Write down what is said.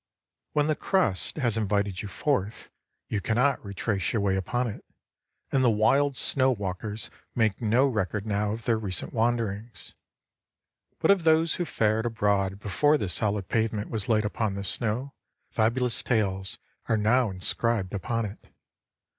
When the crust has invited you forth, you cannot retrace your way upon it, and the wild snow walkers make no record now of their recent wanderings. But of those who fared abroad before this solid pavement was laid upon the snow, fabulous tales are now inscribed upon it.